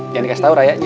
jangan kasih tau rayanya